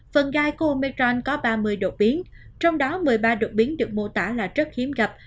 phần gai cu metron có ba mươi đột biến trong đó một mươi ba đột biến được mô tả là rất hiếm gặp